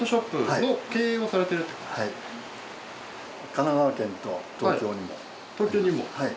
神奈川県と東京にもあります。